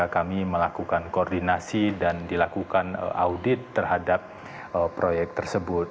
kami melakukan koordinasi dan dilakukan audit terhadap proyek tersebut